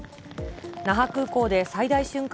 那覇空港で最大瞬間